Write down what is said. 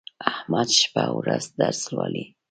احمد شپه او ورځ درس لولي.